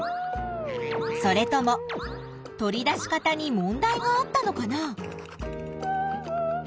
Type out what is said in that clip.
それとも取り出し方に問題があったのかな？